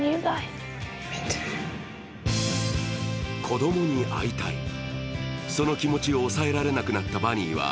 子供に会いたい、その気持ちを抑えられなくなったバニーは